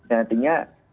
penjelasan rekening tadi